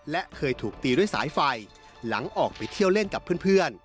และเคยถูกตีด้วยสายไฟหลังออกไปเที่ยวเล่นกับเพื่อน